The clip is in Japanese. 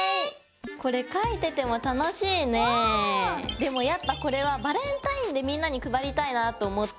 でもやっぱこれはバレンタインでみんなに配りたいなと思って。